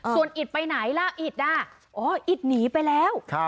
ส่วนอิตไปไหนล่ะอิดอ่ะอ๋ออิดหนีไปแล้ว